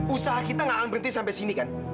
usaha kita gak akan berhenti sampai sini kan